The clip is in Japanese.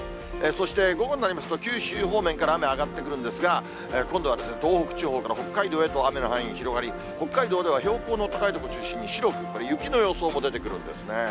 そして午後になりますと、九州方面から雨上がってくるんですが、今度は東北地方から北海道へと雨の範囲広がり、北海道では標高の高い所を中心に、白く、これ雪の予想も出てくるんですね。